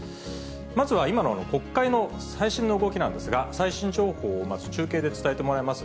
まずは今の国会の最新の動きなんですが、最新情報をまず中継で伝えてもらいます。